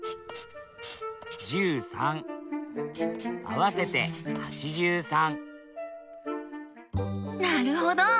合わせて８３なるほど！